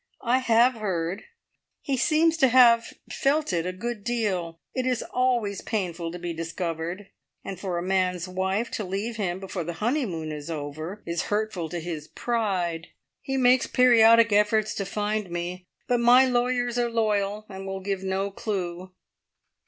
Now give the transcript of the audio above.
I have heard. He seems to have felt it a good deal! It is always painful to be discovered, and for a man's wife to leave him before the honeymoon is over is hurtful to his pride. He makes periodic efforts to find me, but my lawyers are loyal, and will give no clue."